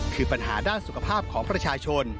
คือปัญหาด้านสุขภาพของประชาชน